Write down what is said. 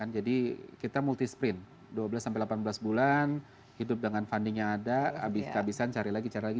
jadi kita multi sprint dua belas delapan belas bulan hidup dengan funding yang ada kehabisan cari lagi cari lagi